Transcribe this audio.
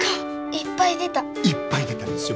いっぱい出たんですよ。